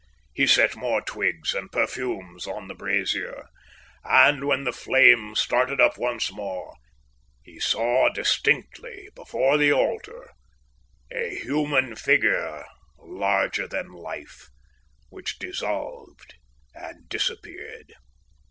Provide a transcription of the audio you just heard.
He set more twigs and perfumes on the brazier, and when the flame started up once more, he saw distinctly before the altar a human figure larger than life, which dissolved and disappeared.